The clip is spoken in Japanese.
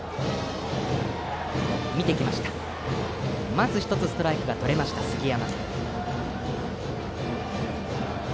まず１つストライクがとれました杉山。